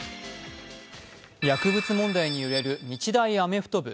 薬物問題に揺れる日大アメフト部。